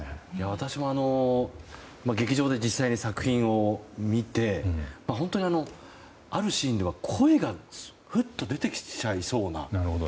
私も劇場で実際に作品を見てあるシーンでは声がふっと出てきちゃいそうな。